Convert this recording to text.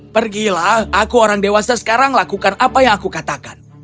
pergilah aku orang dewasa sekarang lakukan apa yang aku katakan